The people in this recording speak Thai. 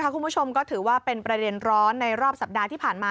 คุณผู้ชมก็ถือว่าเป็นประเด็นร้อนในรอบสัปดาห์ที่ผ่านมา